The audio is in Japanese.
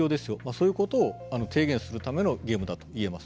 そういうことを提言するためのゲームだと言えます。